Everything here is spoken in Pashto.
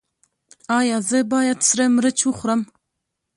ایا زه باید سره مرچ وخورم؟